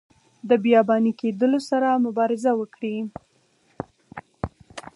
د بیاباني کیدلو سره مبارزه وکړي.